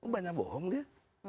banyak bohong dia